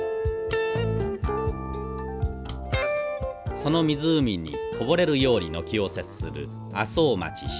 その湖にこぼれるように軒を接する麻生町白浜。